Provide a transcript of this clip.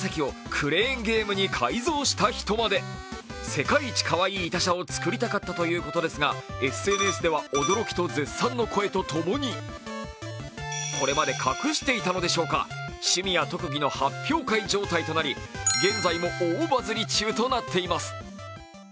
世界一かわいい痛車を作りたかったということですが、ＳＮＳでは驚きと絶賛の声とともにこれまで隠していたのでしょうか、趣味や特技の発表会状態となり、現在も大バズり中となっています。